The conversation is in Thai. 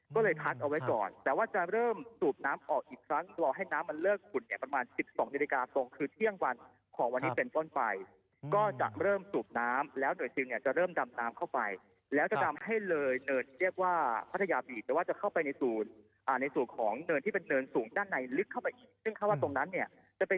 ก็เลยพัดเอาไว้ก่อนแต่ว่าจะเริ่มสูบน้ำออกอีกครั้งรอให้น้ำมันเลิกขุดเนี่ยประมาณสิบสองนิริกาตรงคือเที่ยงวันของวันนี้เป็นก้อนไฟก็จะเริ่มสูบน้ำแล้วหน่วยศิลป์เนี่ยจะเริ่มดำน้ำเข้าไปแล้วจะดำให้เลยเนินเรียกว่าพัทยาบีแต่ว่าจะเข้าไปในศูนย์อ่าในศูนย์ของเนินที่เป็นเนินสูงด้